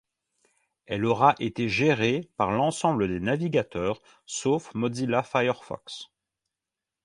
Elle aura été gérée par l'ensemble des navigateurs sauf Mozilla Firefox.